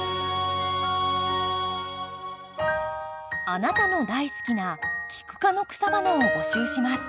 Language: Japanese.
あなたの大好きなキク科の草花を募集します。